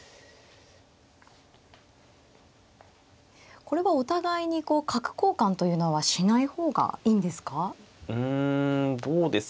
これはお互いに角交換というのはしない方がいいんですか？